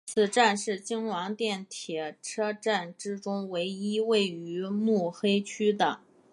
此站是京王电铁车站之中唯一位于目黑区的。